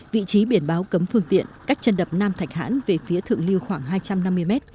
vị trí biển báo cấm phương tiện cách chân đập nam thạch hãn về phía thượng lưu khoảng hai trăm năm mươi mét